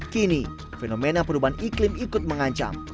kini fenomena perubahan iklim ikut mengancam